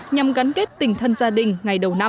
nhằm gắn kết tình thân gia đình ngày đầu năm